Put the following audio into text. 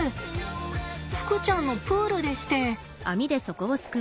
ふくちゃんのプールでして。